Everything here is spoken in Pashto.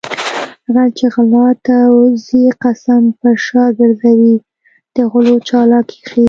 غل چې غلا ته ځي قسم پر شا ګرځوي د غلو چالاکي ښيي